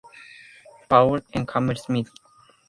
Paul en Hammersmith.